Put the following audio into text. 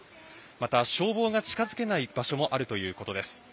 また消防が近づけない場所もあるということです。